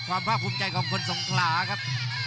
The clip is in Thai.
ความภาคภูมิใจของคนสงขราครับ